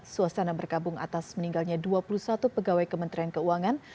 suasana berkabung atas meninggalnya dua puluh satu pegawai kementerian keuangan